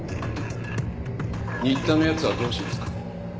新田の奴はどうしますか？